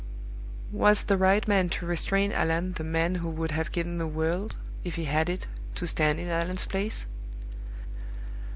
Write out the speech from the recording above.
Was the right man to restrain Allan the man who would have given the world, if he had it, to stand in Allan's place?